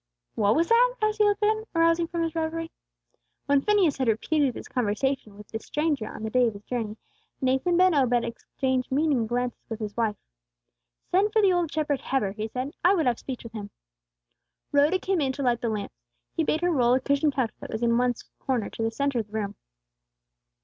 "What was that?" asked the old man, arousing from his reverie. When Phineas had repeated his conversation with the stranger on the day of his journey, Nathan ben Obed exchanged meaning glances with his wife. "Send for the old shepherd Heber," he said. "I would have speech with him." Rhoda came in to light the lamps. He bade her roll a cushioned couch that was in one corner to the centre of the room.